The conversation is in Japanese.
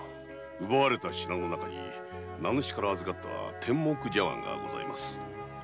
奪われた品の中に名主から預かった天目茶碗がございます。